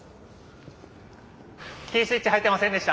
キースイッチ入っていませんでした。